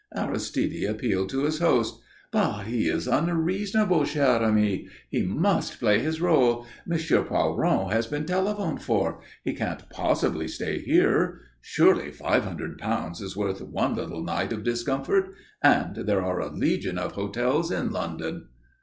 Aristide appealed to his host. "But he is unreasonable, cher ami. He must play his rôle. M. Poiron has been telephoned for. He can't possibly stay here. Surely five hundred pounds is worth one little night of discomfort? And there are a legion of hotels in London."